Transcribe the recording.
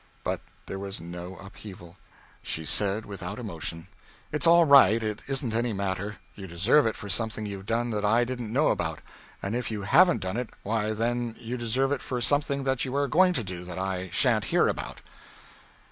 But there was no upheaval. She said, without emotion, "It's all right. It isn't any matter. You deserve it for something you've done that I didn't know about; and if you haven't done it, why then you deserve it for something that you are going to do, that I sha'n't hear about."